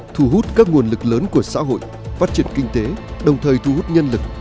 thu hút các nguồn lực lớn của xã hội phát triển kinh tế đồng thời thu hút nhân lực